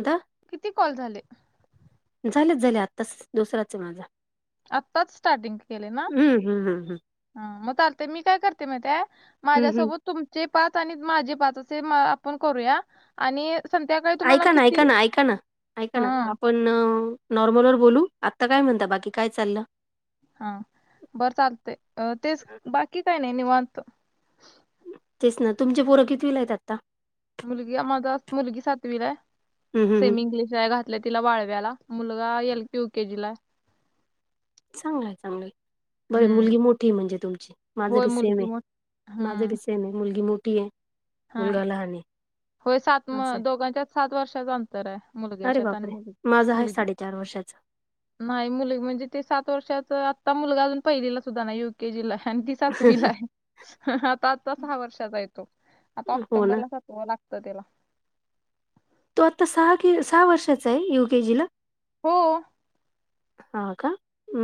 आता [unintelligible] किती कॉल झाले. झालेच झाले आत्ताच दुसराच आहे माझा. आत्ताच स्टार्टिंग केले ना? हूं हूं हूं हूं! ह मग चालते मी काय करते माहिती आहे हम्म हम्म माझ्यासोबत तुमचे पाच, आणि माझे पाच, असे आपण करूया आणि संध्याकाळी तुम्हाला आइका ना, किती आइका ना, आइका ना, आऐका ना, हा आप ण नॉर्मलवर बोलू आत्ता काय म्हणता, बाकी काय चाललं. हा बरं चालतय अ तेच, बाकी काय नाही निवांत. तेच ना तुमचे पोरं कितवीला हे आत मुलगी आ माझ मुलगी सातवीला आहे, हम्म हम्म हम्म सेमी इंग्लिश ला घात तीला वाळव्याला मुलगा एल कयू केेजी लाय. चांगलंय, चांगलंय. बई हम्म मुलगी मोठी म्हणजे तुमची, माझं होय बी सेम मुलगी हे मोठ माझ हम्म बी से सेम ये मुलगी मोठी हे. हा होय सात, म असं दोघांच्यात सात वर्षाच अंतर आहे. अरे मुलग्याच्यात आणि बापरे, मुलगी माझ आहे मुलगी साडेचार वर्षाच. नाही मुल म्हणजे ते सात वर्षाच आत्ता मुलगा अजून पहिलेला सुद्धा ना युके जीला आणि सातवी ला आता आजचा सहा वर्षाचा येतो आता हो ना ऑक्टोंबरला सातव लागतं त्याला तो आता सहा कि सहा वर्षाचा आहे यू केे जीला हम् हा का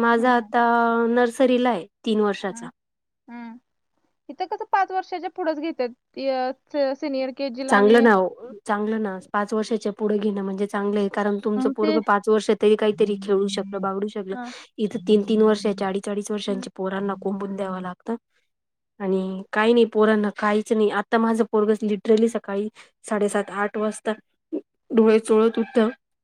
माझा हम्म आता नर्सरीला आहे तीन वर्षाचा हम् इथं कसं पाच वर्षाच्या पुढेच घेतात सिनियर के जी ला चांगलं आणि नाव चांगलं ना पाच वर्षाच्या पुढे घेणं म्हणजे चांगलं आहे कारण तुमचं मग ते पूर्व पाच वर्ष तरी काहीतरी खेळू शकल बागडू शकलं हा, इथं तीन तीन वर्ष चाळीस चाळीस हम्म, वर्षांचे पोरांना कोंबून द्यावं लागतं आणि काही नाही पोरांना काहीच नाही आता माझं पोरगस लि ली सकाळी साडेसात आठ वाजता डोळे चोळत उठ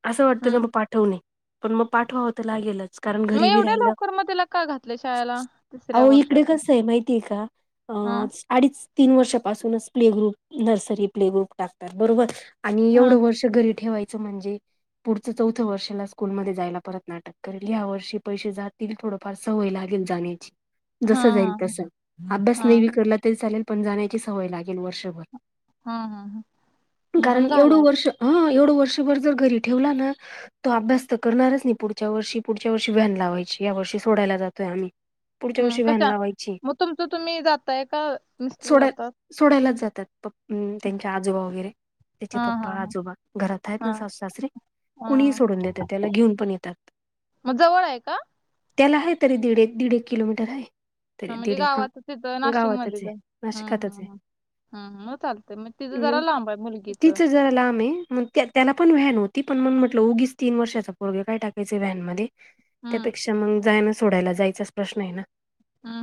असं वाटतं ना हम्म. मग पाठवणे पण मग पाठवावंतं लागेलच कारण मग घरी बी एवढ्या राहिलं लवकर मग त्याला का घातले शाळेला तिसऱ्या अह इकडे वर्षात कस आहे माहितीय का अ हा अडीच तीन वर्षापासूनच play group nursery play group टाकतात बरोबर आणि हा एवढं वर्ष घरी ठेवायचं म्हणजे पुढचं चौथं वर्षाला स्कूलमध्ये जायला परत नाटक करेल ह्या वर्षी पैसे जात. त थोडंफार सवय लागेल जाण्याची हा जस जाईल तस अभ्यास हा नाहीेवी करला तरी चालेल पण जाण्याची सवय लागेल. वर्षभर हा हा हा कारण एवढं वर्ष हं एवढं वर्षभर जर घरी ठेवला. ना तो अभ्यास तर करणारच नाही. पुढच्या वर्षी पुढच्या वर्षी व्हॅन लावायची या वर्षी सोडायला जातोय आम्ही पुढच्या हम वर्षी व्हॅन कशा लावायची. मग तुमचं तुम्ही जाताय का मिस्टर सोडाय जातात सोडायलाच जातात प हम् त्यांच्या आजोबा वगैरे त्याचे हा हा पप्पा आजोबा घरात आहेत हा ना स सासरी हा कोुणीही हा सोडून देतात त्याला घेऊन पण येतात मग जवळ आहे का त्याला आहे तरी दीड एक दीड एक किलोमीटर आहे तरी हा म्हणजे दीड एक गावातच तथं गावातच नाशिकमध्येच आहे नाशिकातच हमम हम् म चालत म हम् टीचर् जर ला आमे म त्याला पण व्हॅन होती पणण म्हटलं उगीच तीन वर्षाचा परगे काय टाकायच व्हॅनमध्ये हम्म त्यापेक्षा मग जाय ना सोडायला जायचाच प्रश्न आहे ना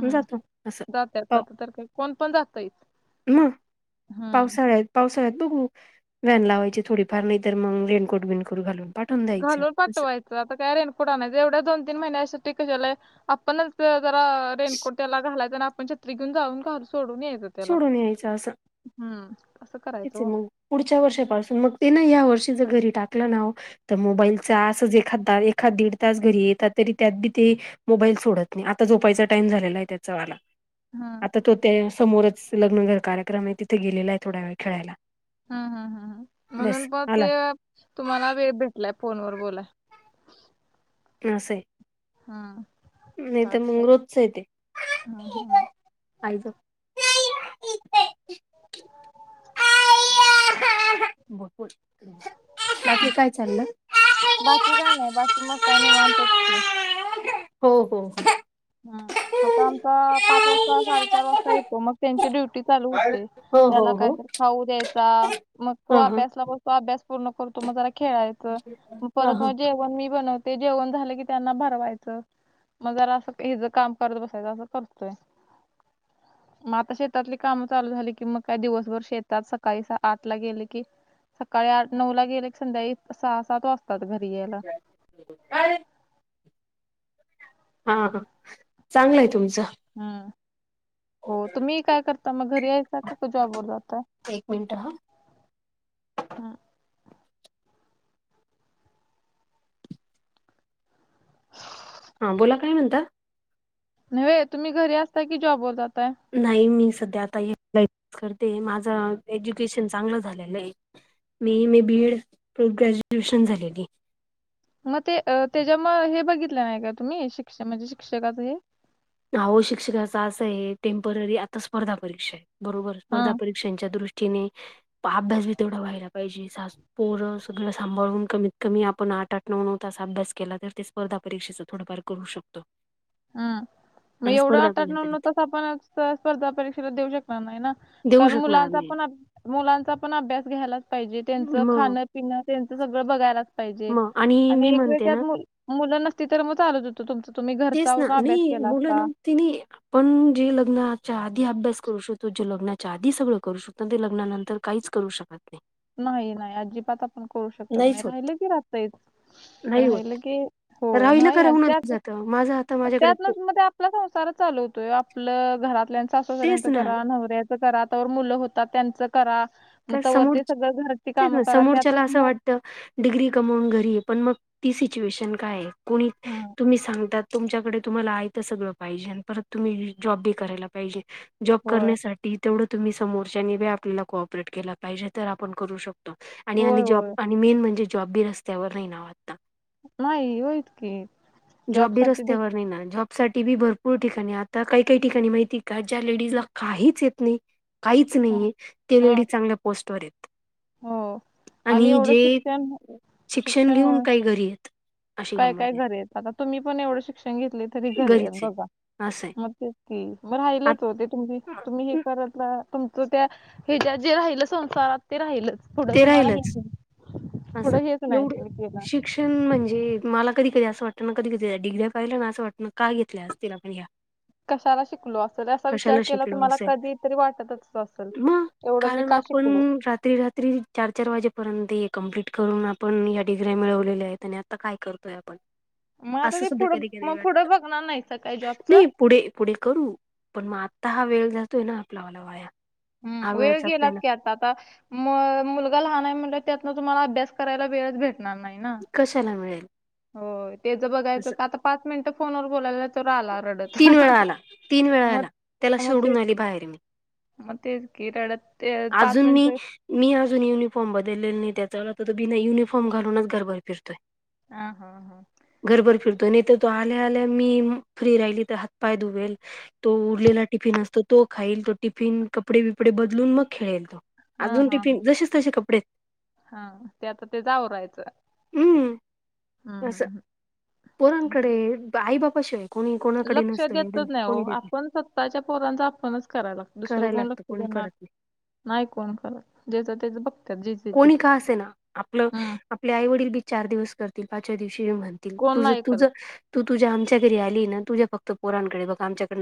मग हम् जातो असं जात पाव तर का कोण पण जात इ मग ह पावसाळ्यात पावसाळ्यात बघू व्हॅन लावायची थोडीफार नाही तर मग रेनकोट बिनकोट घालून पाठवून द्यायचं घालून असं. पाठवायचं आता काय रेन कुठ नाही एवढ्या दोन तीन महिन्या असं टी कशलाय आपणच जरा रेनकोट त्याला घालाय आपण छत्री घेऊन जाऊन घर सोडून यायेत त्याला सोडून यायचं असं हम्म कं तेच आहे करायचं [unintelligible] मग पुढच्या वर्षापासून मग ते ना या वर्षीच घरी टाकलं नाव तर मोबाईलचा आसच एखाददा एखाद दीड तास घरी येतात तरी त्यात बी ते मोबाईल सोडत नाही. आता झोपायचा टाइम झालेला आहे त्याच वाला हम्म आता तो त्या समोरच लग्न घर कार्यक्रम आहे. तिथे गेलेला आहे. थोडा वेळ खेळायला हम् हम् हम् बस म्हणून प आला. ते तुम्हाला वेळ भेटलाय फोन व बोलाय असा आहे हा नाही तर मंग रोजच य तेे हा हा आईजवळ बोलपूल [unintelligible] बाकी काय नाही बाकी मग काय नाही. म्हणत क हो हो हम् आता आमचा पाच वाजता साडेचार वाजता येतो. मग त्यांची ड्युटी चालू होते. हो त्याला हो हो काहीतर खाऊ द्यायचा, मग तो हा हा अभ्यास ला तो अभ्यास पूर्ण करतो, मग जरा खेळायच च हा परत हा मग जेवण मी बनवते, जेवण झालं की त्यांना भरवायचं मग जरा अस इ ज काम करत बसायच असं करतोय. ह [inaudible] मग आता शेतातली काम चालू झाली कि, मग काय दिवसभर शेतात सकाळी आठ ला गेले की. सकाळी आठ नऊ ला गेले, संध्याळी सहा-सात वाजतात घरी यायला. हाहं चांगलं य तुमचं. हं, हो तुम्ही काय करता मग? घरी आहेका फक्त जॉब वर जाताय. एक मिनटं हं. हा. हं बोला काय म्हणता? नई वय तुम्ही घरी असता की, जॉबवर जाताय? नाही मी सध्या आता ए [unintelligible] करते माझं एज्युकेशन चांगलं झालेलं ये. मी M. A. B. Ed graduation झालेली. मग ते त्याच्या म हे बघितलं नाही का तुम्ही, शिक्ष म्हणजे शिक्षकच हे? आओ शिक्षकाचा अस ये, टेम्पररी आता स्पर्धा परीक्षा बरोबर स्पर्धा परी हां, परीक्षांच्या दृष्टीने अभ्यास बी तेवढा व्हायला पाहिजे, सास पोरं सगळं सांभाळून कमीत कमी आपण आठ-आठ नऊ-नऊ तास अभ्यास केला, तर ते स पर्धा परीक्षेचं थोडफार करू शकतो. हम् मग आणि एवढं स्पर्धा आट-आट, पर्यंत नऊ-नऊ तिथे तास आपण स्पर्धा परीक्षेला देऊ शकणार नाही ना, देऊ कारण शकणार मुलांचा नाही पण अब मुलांचा पण अभ्यास घ्यायलाच पाहिजे, त्यांच मग खाण पिण त्यांच सगळं बघायलाच पाहिजे मग आणि मी एक वेळ म्हणते ना त्यात मु मुलं नसती तर मग चालत होत तुमच तुम्ही घ तेच ना नई मुलं नव ती नाही, पण जे लग्नाच्या आधी अभ्यास करू शकतो, जे लग्ना च्या आधी सगळं करू शकतो, ते लग्नानंतर काहीच करू शकत नाही. नाही-नाही आजिबात आप न करू शकत नाही, नाहीच होत राहिलं की राहतय, नाही राहिलं की होय नाही अं त्यात यत, माझं आता माझ्याकडे को त्यातनच मग ते आपला संसार चालवतोय, आपलं घरातल्या सासूसऱ्यांच तेच ना करा, नवऱ्या च करा, तवर मुलं होतात, त्यांच करा. मग तकाय तवर ते समोरच सगळं घरची तेच कामं ना करा समोरच्याला त्यातच असं मग वाटत त, डिग्री कमवून घरी ये, पण मग ती सिच्युएशन काय ये कोणी हं. तुम्ही सांगतात तुमच्याकडे तुम्हाला आयत सगळं पाहिजे आणि परत तुम्ही जॉब बी करायला पाहिजे. जॉब होय करण्यासाठी तेवढं तुम्ही समोरच्याने बी आपल्याला कॉपरेट केला पाहिजे, तर आपण करू शकतो. त होय आणि-आणि जॉब होय आणि मेन म्हणजे जॉब बी रस्त्यावर नाही नाव आता. नाही होयच की जॉब बी जॉबसाठी देख रस्त्यावर नाही ना, जॉ साठी बी भरपूर ठिकाणी आता काही-काही ठिकाणी माहिती का, ज्या लेडीजला काहीच येत नाही काहीच हां नाहीेये, ते हां लेडीज चांगल्या पोस्टवर येत. हो आणि एवढं जे शिक्षण शिक्षण घेऊन, काही घरीयेत आशी काय काय गंमत ये. घरी आहेत आता तुम्ही पण एवढं शिक्षण घेतलय, तरी घरी आहेत घरीच आहे बघा असं आहे मग तें कि, मग आत राहिलच ओ तें तुम तुम्ही हे करत रहा, तुमच त्या ह ज्या जे राहिलं संसारात. ते राहीलच पुढं ते तुम्हाला राहिलच हेच, असं पुढं हेच नाही एवढं तुम्ही केला. शिक्षण म्हणजे, मला कधी-कधी अस वाटत ना, कधी त्या डिगऱ्या पहिल्या ना अस वाटत का घेतल्या असतील आपण या? ह [inaudible] कशाला शिकलो असेल? असा विचार केला तुम्हाला असेल कधीतरी वाटतच असल. एवढं मी का शिक पण रात्री रा त्री चार चार वाजेपर्यंत हे कम्प्लीट करून आपण या डिग्री्या मिळवलेल्या आहेत, आणि आता काय करतो. आपण मग अ आता ते सुद्धा पुढं कधी कधी मग वाटत. पुढं बघणार नाहीसा काय जॉबचं नाही पुढे पुढे करू पण मग आत्ता हा वेळ जातोय ना आपला वाला वाया. हम्म! हा वेळ जातोय गेलात ना का आता आता म मुलगा लहान आहे म्हणलं त्यातन तुम्हाला अभ्यास करायला वेळच भेटणार नाही ना. कशाला मिळेल. हो ते ज बघायचं असं का आता पाच मिनिटं फोनवर बोलायला. तोरा आला रडत तीन वेळा आला तीन वेळा मग आला त्याला मग ते, सोडून आली बाहेर मी मग तेच कि रडत ते पाच अजून मी मिनिटं मी अजून युनिफॉर्म बदलले नाही, त्याच्या व तर तो बिना युनिफॉर्म घालूनच घरबर फिरतय. ह, हा, हा! घरभर फिरतो न तर तो आल्या आल्या मी फ्री राहिली तर हातपाय दुबेल तो उरलेला टिफिन असतो तो खाईल, तो टिफिन, कपडे-बिपडे बदलून मग खेळेल तो. अजून टिफिन जसेच तसे कपडे. हा ते आता ते जाऊ राहायचं. अस हं. पोरांकडे, आई बाबा शेय लक्ष देतच नाही हो आपण सत्ताच्या पोरांचं आपणच करायला लागतो, दुसरं करायला कोण ल लागतं कोणी करत नाही. नाही कोण करत जच तेच बघ कोणी का असे ना आपलं हं. आपले आई वडील बी चार दिवस करतील पाचव्या दिवशी म्हणतील. कोण तझ नाही तुझ करत. तू तुझ्या आमच्या घरी आली ना तुझ्या फक्त पोरांकडे बघ आमच्याकड.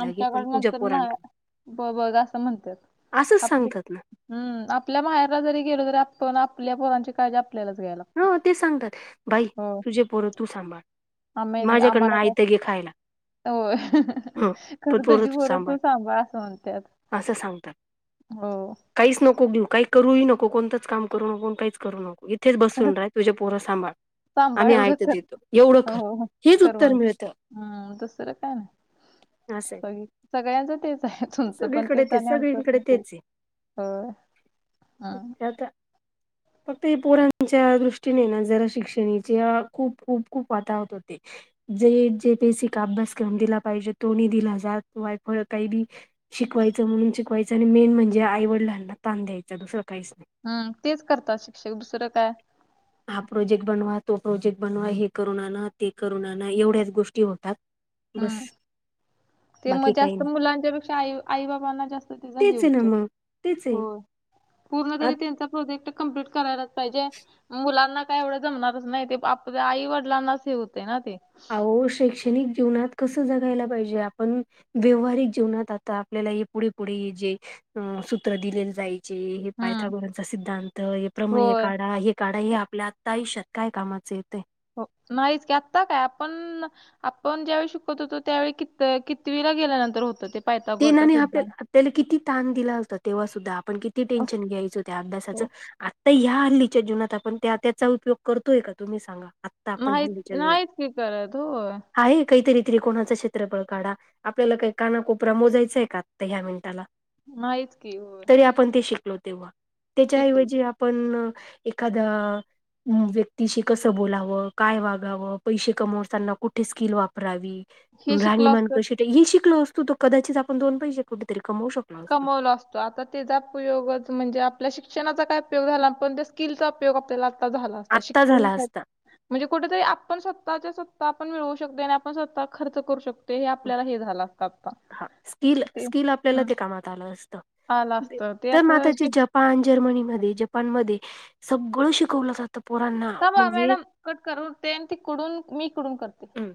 आमच्याकडन तर नाही ब बघ असं म्हणतात असंच आपली सांगतात ना. हम्म आपल्या माहेरला जरी गेलो तरी, आपण आपल्या पोरांची काळजी आपल्यालाच घ्यायला लागते. ह ते सांगतात बाई तुझे परो तू सांभाळ. आही माझ्याकडनं आम्हाला का आयत घे खायला हो ह पण खरं तू पोरं तुझी पोर तु सांभाळ अस म्हणतत. असं सांगतात. हो. काहीच नको घेऊ काही करूही नको, कोणतंच काम करू नको, काहीच करू नको. तेेच बसून रा तुझ्या पोर सांभाळ. सांभाळ आम्ही एवढं आयत कर, देतो एवढं कर हो हेच कर उत्तर मिळतं हम्म दुसरं काय ना. असं स सगळ्यांच तेच आहे तुमचं पण तेच आणि आमचं पण तेच. होय. हम्म त्या त्या फक्त हे पोरांच्या दृष्टीने ना जरा शिक्षणाचे खूप खूप खूप वाता होत. जे जे पेसिक अभ्यास करून दिला पाहिजे, तोणी दिला जात वायपळ काही बी शिकवायचं म्हणून शिकवायचं आणि मेन म्हणजे, आईवडलांना तण द्यायचं दुसरं काहीच नाही. ह तेच करतात शिक्षक दुसरं काय. हा प्रोजेक्ट बनवा, तो प्रोजेक्ट बनवा, हे करून आण, ते करून आण, एवढ्याच गोष्टी होतात. हम्म बस. ते मग बाकी काही जास्त नाही मुलांच्या पेक्षा आई आई बाबांना जास्त त्याचा तेच आहे ना हेवतोय, मग तेच आहे. होय. पूर्ण तरी त्यांचा प्रोजेक्ट कम्प्लीट करायलाच पाहिजे. मुलांना काय एवढं जमणारच नाही, ते आपल्या आई वडिलांनाच होते ना ते, अह शैक्षणिक जीवनात कसं जगायला पाहिजे. आपण व्यवहारिक जीवनात आता आपल्याला हे पुढे पुढे हे जे अ सूत्र दिलेले जाई. हे हम्म पायथागोरांचा सिद्धांत, हे प्रमेय होय काढा, हे काढा, हे आपल्या तायुष्यात काय कामाच येते. हो नाहीच की आत्ता काय आपण आपण ज्यावेेळी शिकत होतो, त्यावेळी कित कितवीला गेल्यानंतर होत ते तेीन पायथागोरचा आणि ह सिद्धांत त्याला किती ताण दिला होता तेव्हा सुद्धा आपण किती अ, टेन्शन घ्यायच होत्या अभ्यासाचं. हो आत्ता ह हल्लीच्या जीवनात आपण त्या त्याचा उपयोग करतोय का तुम्ही सांगा. आपण माहिित हल्लीच्या जीवनात. माहत की करा त हो. आहे काहीतरी त्रिकोणाचं क्षेत्रफळ काढा आपल्याला काही का? प्रमो जायचंय का आता ह्या मिनिटाला. माहित की हो. तरी आपण ते शिकलो तेव्हा त्याच्याऐवजी आपण एखादा. हं व्यक्तीशी कसं बोलावं काय वागावं पैसे कमवताना कुठे स्किल वापरावी. हे राणी शिकलो मान असतो कशी हे शिकल असतो तरो कदाचित आपण दोन पैसे कुठेतरी कमवू शक''--'' कमवल अस''--'' आता त्याचा उपयोगच म्हणजे आपल्या शिक्षणाचा काय उपयोग झाला पण त्या स्किलचा उपयोग आपल्याला. झाला असता आत्ता शिकून झाला काय. असता म्हणजे कुठेतरी आपण स्वतःच्या स्वतः आपण मिळवू शकोय आणि आपण स्वतः खर्च करू शक''--'' ते आपल्याला हे झालं असत आत्ता ते हा. झालं असतं तर ना आता त्याचे शि- जप. पान जर्मनी मध्ये जपान म सगळं शिकवलं जातं. त पोरांना. थांबा म्हणजे मॅडम कटकर करवते तिकडून मी इकडून करते. हं.